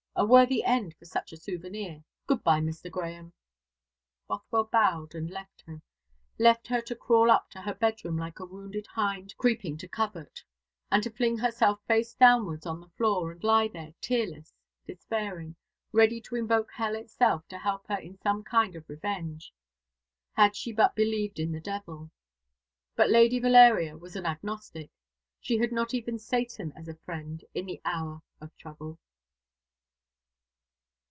A worthy end for such a souvenir. Good bye, Mr. Grahame." Bothwell bowed and left her; left her to crawl up to her bedroom like a wounded hind creeping to covert, and to fling herself face downwards on the floor, and lie there tearless, despairing, ready to invoke hell itself to help her in some kind of revenge, had she but believed in the devil. But Lady Valeria was an agnostic. She had not even Satan as a friend in the hour of trouble.